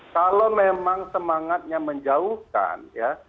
kalau memang semangatnya menjauhkan ya